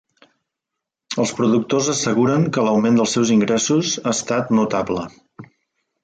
Els productors asseguren que l'augment dels seus ingressos ha estat notable.